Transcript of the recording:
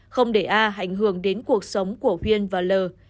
không để a hành hưởng đến cuộc sống của huyên và lờ